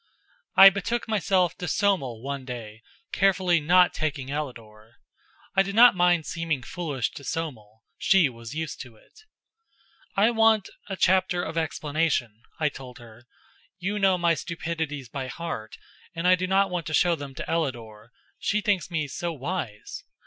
I betook myself to Somel one day, carefully not taking Ellador. I did not mind seeming foolish to Somel she was used to it. "I want a chapter of explanation," I told her. "You know my stupidities by heart, and I do not want to show them to Ellador she thinks me so wise!"